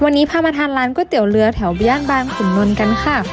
วันนี้พามาทานร้านก๋วยเตี๋ยวเรือแถวย่านบางขุนนท์กันค่ะ